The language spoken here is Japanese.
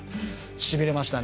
しびれましたね。